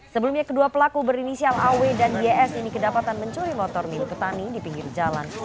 sebelumnya kedua pelaku berinisial aw dan ys ini kedapatan mencuri motor milik petani di pinggir jalan